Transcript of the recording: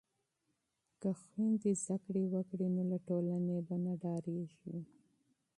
که خویندې تعلیم وکړي نو له ټولنې به نه ډاریږي.